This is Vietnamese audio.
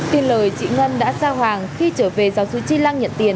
tuyên lời chị ngân đã xa hoàng khi trở về giáo sứ chi lăng nhận tiền